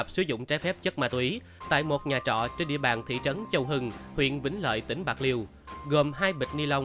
xin chào và hẹn gặp lại